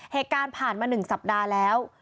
เหตุการณ์ผ่านมา๑สัปดาห์แล้ว